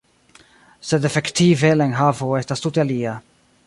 Sed efektive la enhavo estas tute alia.